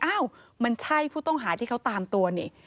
อ้าวมันใช่ผู้ต้องหาที่เขาตามตัวนี่